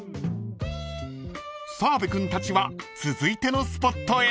［澤部君たちは続いてのスポットへ］